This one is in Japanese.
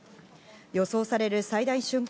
予想される最大瞬間